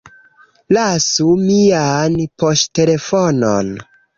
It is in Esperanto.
Lasu mian poŝtelefonon